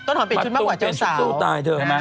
ต้นหอมเปลี่ยนชุดมากกว่าเจ้าสาว